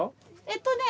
えっとね